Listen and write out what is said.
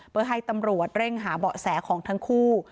เพื่อให้ตำรวจเร่งหาเบาะแสของทั้งคู่